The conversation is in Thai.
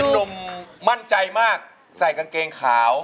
หนุ่มมั่นใจมากใส่กางเกงขาว